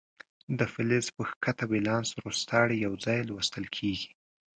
د فلز په ښکته ولانس روستاړي یو ځای لوستل کیږي.